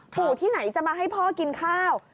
ปู่ที่ไหนจะมาให้พ่อกินข้าว